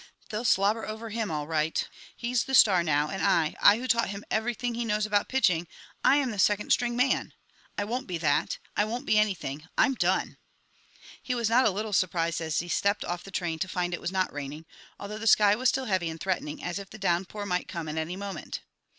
They'll slobber over him, all right. He's the star now, and I I who taught him everything he knows about pitching I am the second string man! I won't be that! I won't be anything! I'm done!" He was not a little surprised as he stepped off the train to find it was not raining, although the sky was still heavy and threatening, as if the downpour might come at any moment.